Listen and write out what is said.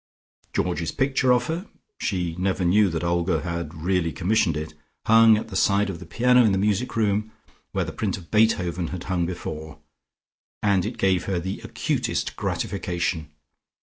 Georgie's picture of her (she never knew that Olga had really commissioned it) hung at the side of the piano in the music room, where the print of Beethoven had hung before, and it gave her the acutest gratification.